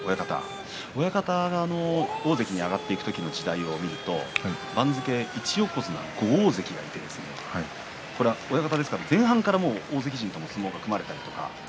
親方が大関に上がっていく時の時代を見ると番付、１横綱５大関親方ですから前半は大関陣との相撲が組まれたわけですね。